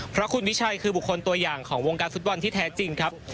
เพราะคุณวิชัยคือบุคคลตัวอย่างของวงการฟุตบอลที่แท้จริงครับ